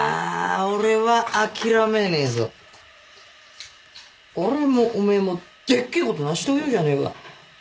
俺は諦めねぇぞ俺もおめぇもでっけぇこと成し遂げようじゃねぇか